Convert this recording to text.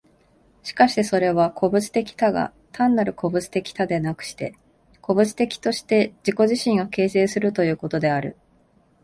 しかしてそれは個物的多が、単なる個物的多ではなくして、個物的として自己自身を形成するということである。